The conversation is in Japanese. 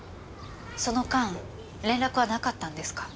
その間連絡はなかったんですか？